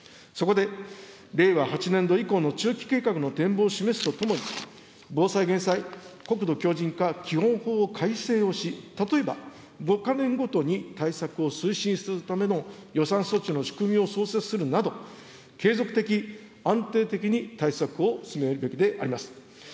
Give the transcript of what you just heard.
そこで、令和８年度以降の中期計画の展望を示すとともに、防災・減災、国土強じん化基本法を改正をし、例えば、５か年ごとに対策を推進するための予算措置の仕組みを創設するなど、継続的、安定的に対策を進めるべきであります。